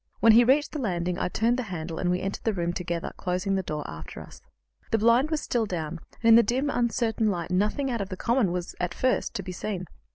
When he reached the landing, I turned the handle, and we entered the room together, closing the door after us. The blind was still down, and in the dim, uncertain light nothing out of the common was, at first, to be seen.